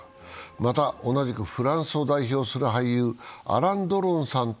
また、同じくフランスを代表する俳優、アラン・ドロンさんと